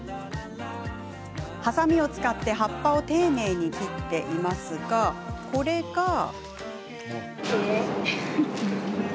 はさみを使って葉っぱを丁寧に切っていますが、これが。